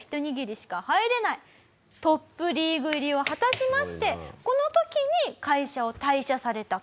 トップリーグ入りを果たしましてこの時に会社を退社されたと。